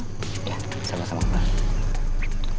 ya sama sama mbak